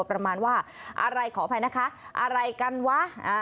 ประมาณว่าอะไรขออภัยนะคะอะไรกันวะ